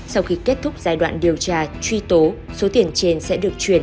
sau khi kết thúc giai đoạn điều tra truy tố số tiền trên sẽ được chuyển